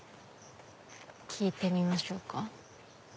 聞いてみましょうか。